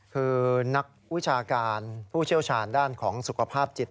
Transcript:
คือนักวิชาการผู้เชี่ยวชาญด้านของสุขภาพจิต